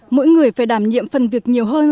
mỗi người phải đảm nhiệm phần việc nhiều hơn